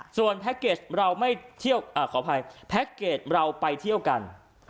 ส่วนแพ็คเกจเราเข้าท่านไปที่เที่ยวกัน